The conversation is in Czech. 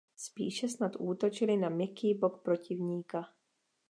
Spíše snad útočili na měkký bok protivníka.